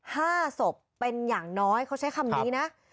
ห้าศพเป็นอย่างน้อยเขาใช้คำนี้นะ